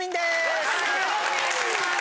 よろしくお願いします。